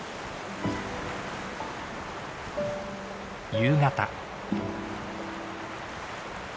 夕方。